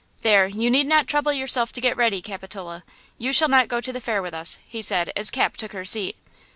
"There, you need not trouble yourself to get ready, Capitola; you shall not go to the fair with us," he said, as Cap took her seat.